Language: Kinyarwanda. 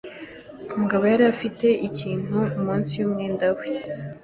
Umugabo yari afite ikintu munsi yumwenda we.